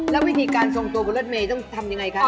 แล้ววิธีการทรงตัวบนรถเมย์ต้องทำยังไงคะ